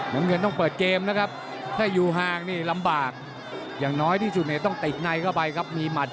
น้ำเงินต้องเปิดเกมนะครับ